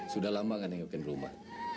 sudah lama gak nengokin rumah